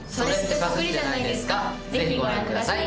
ぜひご覧ください。